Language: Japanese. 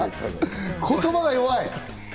言葉が弱い。